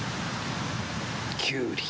きゅうり。